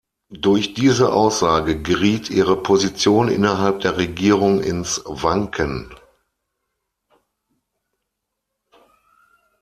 Durch diese Aussage geriet ihre Position innerhalb der Regierung ins Wanken.